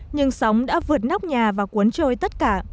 nhưng sóng đã vượt nóc nhà và cuốn trôi tất cả